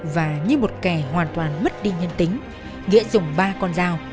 và như một kẻ hoàn toàn mất đi nhân tính nghĩa dùng ba con dao